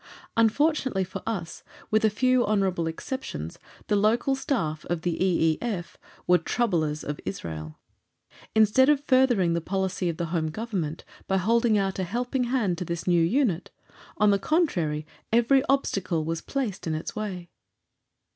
Unfortunately for us, with a few honourable exceptions, the local Staff of the E.E.F. were "troublers of Israel." Instead of furthering the policy of the Home Government by holding out a helping hand to this new unit, on the contrary every obstacle was placed in its way.